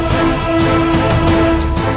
kamu bijak nggak pergi kembali